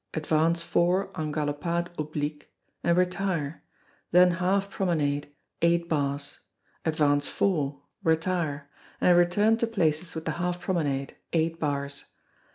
Advance four en galopade oblique, and retire, then half promenade, eight bars. Advance four, retire, and return to places with the half promenade, eight bars.